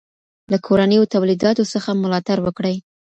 له کورنيو توليداتو څخه ملاتړ وکړئ.